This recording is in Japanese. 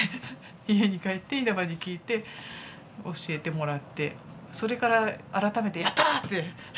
家に帰って稲葉に聞いて教えてもらってそれから改めてヤッター！って。